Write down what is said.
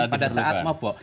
pada saat mobok